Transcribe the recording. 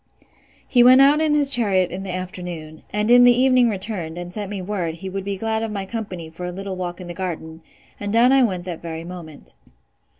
He went out in his chariot in the afternoon; and in the evening returned, and sent me word, he would be glad of my company for a little walk in the garden; and down I went that very moment.